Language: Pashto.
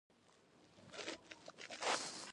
د لوګر کرومایټ ډیر لوړ کیفیت لري.